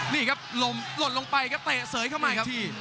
นี่ครับลดลงไปครับเตะเสยเข้าไปครับ